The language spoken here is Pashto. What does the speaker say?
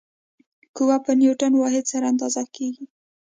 قوه په نیوټن واحد سره اندازه کېږي.